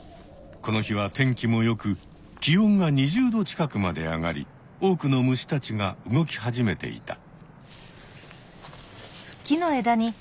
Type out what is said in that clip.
この日は天気もよく気温が２０℃近くまで上がり多くの虫たちが動き始めていた。